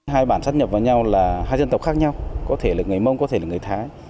hai bản sắp nhập vào nhau là hai dân tộc khác nhau có thể là người mông có thể là người thái